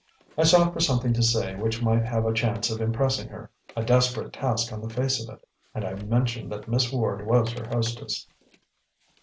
I sought for something to say which might have a chance of impressing her a desperate task on the face of it and I mentioned that Miss Ward was her hostess.